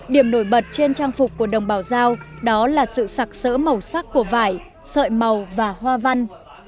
điểm nổi bật trên trang phục của đồng bào giao đó là sự sặc sỡ màu sắc của vải sợi màu và hoa văn